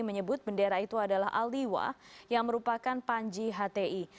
menyebut bendera itu adalah aldiwa yang merupakan panji hti